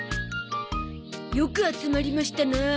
よく集まりましたなあ。